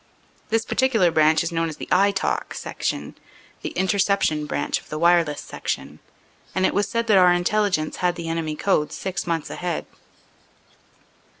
This particular branch is known as the "I Tok" Section the Interception Branch of the Wireless Section and it was said that our Intelligence had the enemy code six months ahead.